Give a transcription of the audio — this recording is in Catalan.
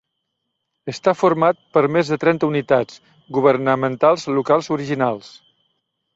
Està format per més de trenta unitats governamentals locals originals.